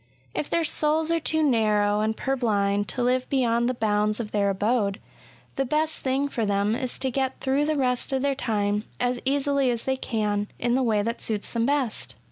If their souls are too narrow and purblind to live beyond the bounds of their abode, the best thing for them is to get through the rest of their time as easily as they can, in the way that suits them best.